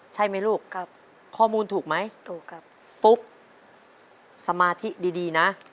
ใช่ไหมลูกครับข้อมูลถูกไหมถูกครับปุ๊กสมาธิดีดีนะ